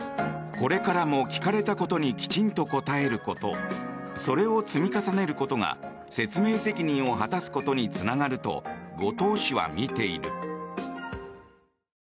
これからも聞かれたことにきちんと答えることそれを積み重ねることが説明責任を果たすことにつながると後藤氏は見ている。